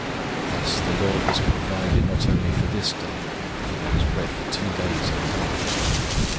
Thus the Lord has provided not only for this day; for there is bread for two days in hand.